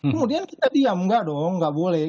kemudian kita diam enggak dong nggak boleh